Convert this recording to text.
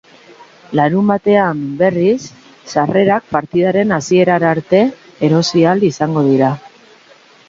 Larunbatean, berriz, sarrerak partidaren hasierara arte erosi ahal izango dira.